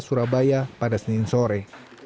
surabaya pada senin sore